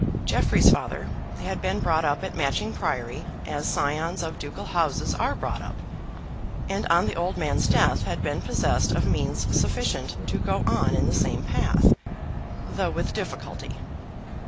Jeffrey's father had been brought up at Matching Priory as scions of ducal houses are brought up, and on the old man's death had been possessed of means sufficient to go on in the same path, though with difficulty.